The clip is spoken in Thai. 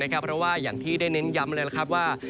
เพราะว่าอย่างที่ได้เน้นย้ำเลยนะครับว่า